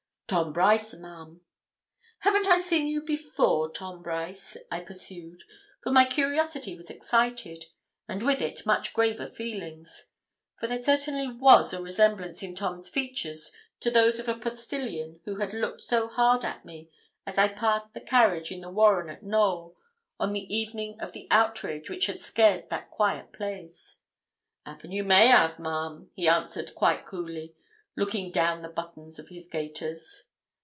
'Tom Brice, ma'am.' 'Haven't I seen you before, Tom Brice?' I pursued, for my curiosity was excited, and with it much graver feelings; for there certainly was a resemblance in Tom's features to those of the postilion who had looked so hard at me as I passed the carriage in the warren at Knowl, on the evening of the outrage which had scared that quiet place. ''Appen you may have, ma'am,' he answered, quite coolly, looking down the buttons of his gaiters.